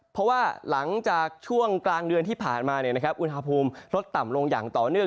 เพราะว่าหลังจากช่วงกลางเดือนที่ผ่านมาอุณหภูมิลดต่ำลงอย่างต่อเนื่อง